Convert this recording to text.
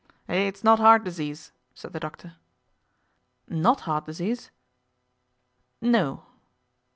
'It is not heart disease,' said the doctor. 'Not heart disease?' 'No.